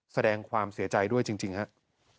แสดงความเสียใจด้วยจริงครับ